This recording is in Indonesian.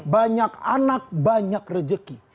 banyak anak banyak rejeki